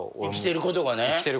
生きてることが。